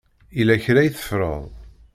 Yella kra i teffreḍ.